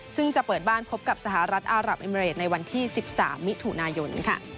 ซึ่งจะเปิดบ้านพบกับสหรัฐอารับเอเมริดในวันที่๑๓มิถุนายน